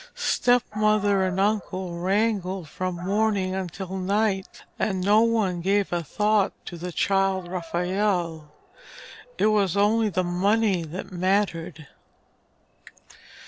Stepmother and uncle wrangled from morning until night, and no one gave a thought to the child Raphael. It was only the money that mattered.